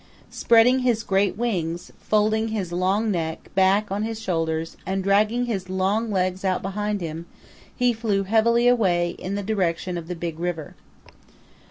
Spreading his great wings, folding his long neck back on his shoulders, and dragging his long legs out behind him, he flew heavily away in the direction of the Big River.